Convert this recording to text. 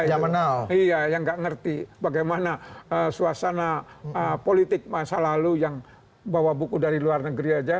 iya yang nggak ngerti bagaimana suasana politik masa lalu yang bawa buku dari luar negeri aja